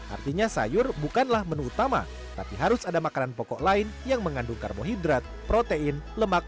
artinya sayur bukanlah menu utama tapi harus ada makanan pokok lain yang mengandung karbohidrat protein lemak